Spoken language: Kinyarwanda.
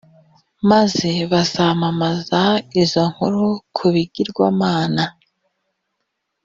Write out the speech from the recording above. maze bazamamaza izo nkuru ku bigirwamana